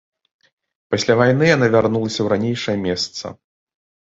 Пасля вайны яна вярнулася ў ранейшае месца.